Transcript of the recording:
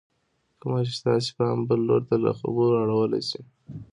کومه چې ستاسې پام بل لور ته له خبرو اړولی شي